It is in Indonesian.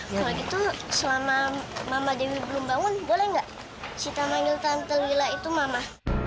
kalau gitu selama mama dewi belum bangun boleh nggak suka manggil tante wila itu mama